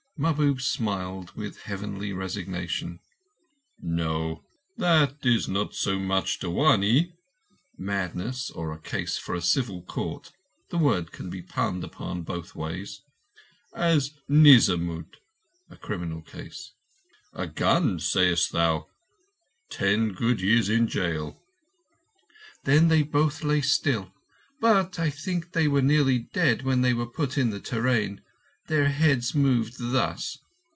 Mahbub smiled with heavenly resignation. "No! That is not so much dewanee (madness, or a case for the civil court—the word can be punned upon both ways) as nizamut (a criminal case). A gun, sayest thou? Ten good years in jail." "Then they both lay still, but I think they were nearly dead when they were put on the te train. Their heads moved thus.